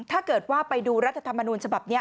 ถ้าเกิดว่าไปดูรัฐธรรมนูญฉบับนี้